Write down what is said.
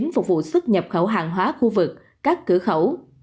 phục vụ xuất nhập khẩu hàng hóa khu vực các cửa khẩu